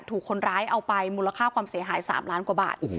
ถูกคนร้ายเอาไปมูลค่าความเสียหาย๓ล้านกว่าบาท